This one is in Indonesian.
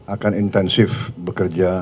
akan intensif bekerja